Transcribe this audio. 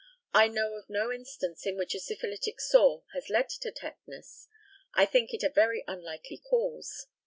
I know of no instance in which a syphilitic sore has led to tetanus. I think it a very unlikely cause.